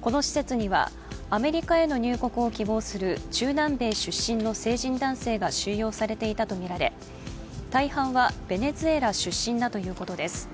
この施設にはアメリカへの入国を希望する中南米出身の成人男性が収容されていたとみられ大半はベネズエラ出身だということです。